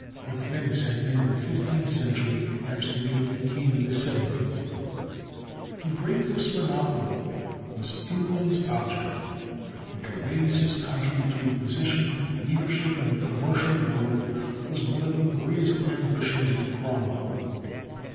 What Venice had been in the fifteenth century, Amsterdam became in the seventeenth. "To break this monopoly was England's object; and to raise his country to a position of leadership in the commercial world was one of the greatest ambitions of Cromwell."